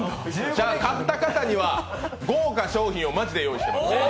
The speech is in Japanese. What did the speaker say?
じゃあ、勝った方には豪華商品をマジで用意してます。